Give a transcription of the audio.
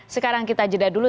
sekarang kita jeda dulu